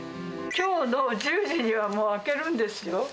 きょうの１０時には、もう開けるんですよ。